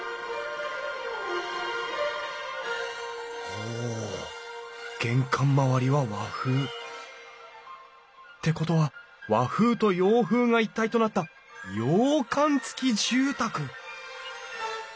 お玄関周りは和風。ってことは和風と洋風が一体となった洋館付き住宅！